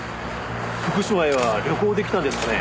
福島へは旅行で来たんですかね？